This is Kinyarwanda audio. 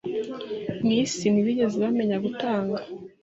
Mwisi ntibigeze bamenya gutanga